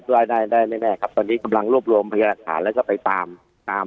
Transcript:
ได้ได้ได้แน่แน่ครับตอนนี้กำลังรวบรวมพยายามอัตภาพแล้วก็ไปตาม